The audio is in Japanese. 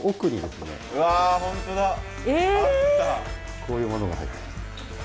こういうものが入ってる。